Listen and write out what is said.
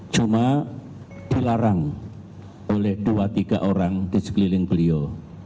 cuma dilarang oleh dua tiga orang di sekeliling beliau